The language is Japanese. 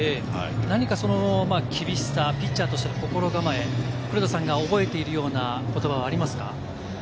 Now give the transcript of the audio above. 何か厳しさ、ピッチャーとしての心構え、黒田さんが覚えているような言葉はありますか？